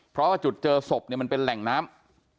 เพราะจุดเจอศพเป็นแหล่งน้ำ